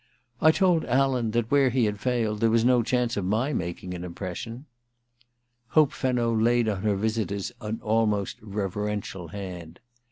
*I told Alan that where he had failed there was no chance of my making an impression.' Hope Fenno laid on her visitor's an almost reverential hand.